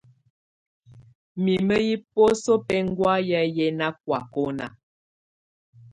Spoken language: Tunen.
Mimǝ yɛ̀ biǝ́suǝ́ bɛ̀ŋgɔ̀áyɛ̀ yɛ nà kɔ̀ákɔna.